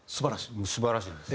もう素晴らしいです。